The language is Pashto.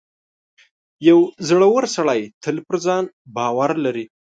• یو زړور سړی تل پر ځان باور لري.